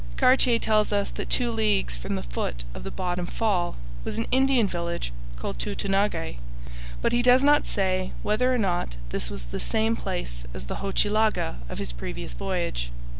Cartier tells us that two leagues from the foot of the bottom fall was an Indian village called Tutonaguy, but he does not say whether or not this was the same place as the Hochelaga of his previous voyage.